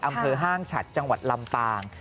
อำเภอห้างฉัดจังหวัดลำฟาง